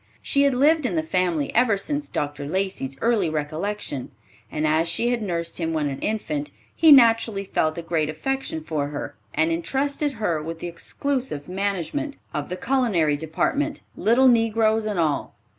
She had lived in the family ever since Dr. Lacey's early recollection, and as she had nursed him when an infant, he naturally felt a great affection for her, and intrusted her with the exclusive management of the culinary department, little negroes and all.